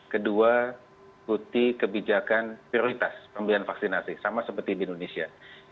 kedua ikuti kebijakan prioritas pembelian vaksinasi sama seperti di indonesia